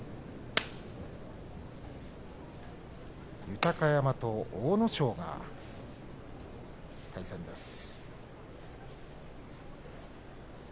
豊山と阿武咲が対戦です。